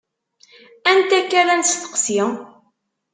Anta akk ara nesteqsi?